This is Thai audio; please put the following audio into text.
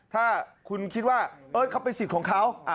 ถ้าคุณคิดว่าเขาเป็นสิทธิ์ของเขา